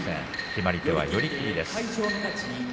決まり手は寄り切りです。